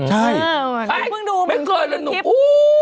ใช่เอาไปมานึกสิอุ้ยปุ๊บไม่เคยเลยหนู